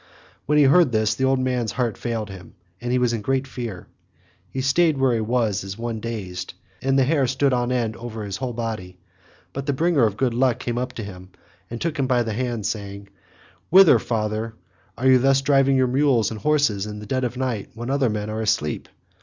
When he heard this the old man's heart failed him, and he was in great fear; he stayed where he was as one dazed, and the hair stood on end over his whole body; but the bringer of good luck came up to him and took him by the hand, saying, "Whither, father, are you thus driving your mules and horses in the dead of night when other men are asleep?